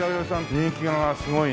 人気がすごいね。